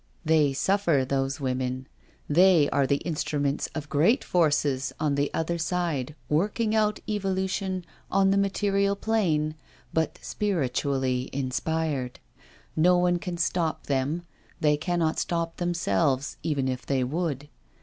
" They suffer, those women. They are the instruments of great forces on the Other Side working out evolution on the material plane, but spiritually in spired. No one can stop them — they cannot stop them selves, even if they would.